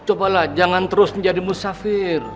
cobalah jangan terus menjadi musafir